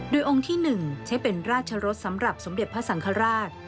โดยองค์ที่๑ใช้เป็นราชรสสำหรับสมเด็จพระสังฆราช